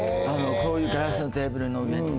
こういうガラスのテーブルの上に。